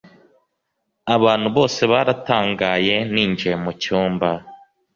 Abantu bose baratangaye ninjiye mucyumba